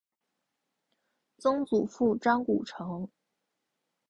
曾祖父张谷成。